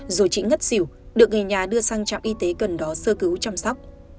rồi chị ngất xỉu được người nhà đưa sang trạm y tế gần đó sơ cứu chăm sóc